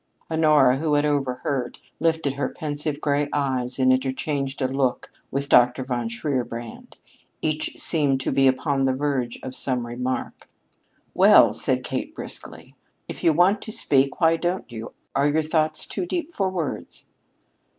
Honora, who had overheard, lifted her pensive gray eyes and interchanged a long look with Dr. von Shierbrand. Each seemed to be upon the verge of some remark. "Well," said Kate briskly, "if you want to speak, why don't you? Are your thoughts too deep for words?"